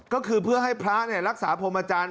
ก็คือเพื่อให้พระรักษาพรมอาจารย์